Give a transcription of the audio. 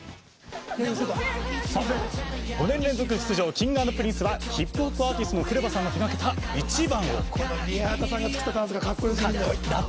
５年連続出場Ｋｉｎｇ＆ＰｒｉｎｃｅはヒップホップアーティストのＫＲＥＶＡさんが手がけた「ｉｃｈｉｂａｎ」を。